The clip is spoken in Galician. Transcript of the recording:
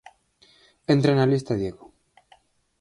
Entra na lista Diego.